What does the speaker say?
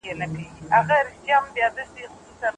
زده کړه د ژوند اړتيا ده.